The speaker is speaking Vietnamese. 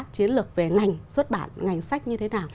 chiến lược về ngành xuất bản ngành sách như thế nào